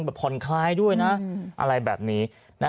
ผ่อนคลายด้วยนะอะไรแบบนี้